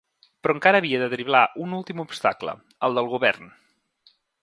Però encara havia de driblar un últim obstacle, el del govern.